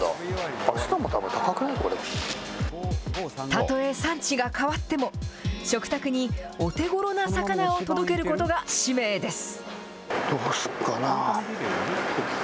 たとえ産地が変わっても、食卓にお手頃な魚を届けることが使命です。